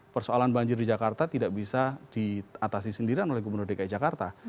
persoalan banjir di jakarta tidak bisa diatasi sendirian oleh gubernur dki jakarta